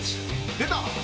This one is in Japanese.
出た！